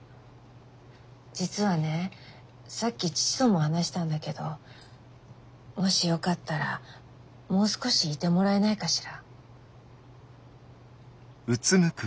実はねさっき義父とも話したんだけどもしよかったらもう少しいてもらえないかしら？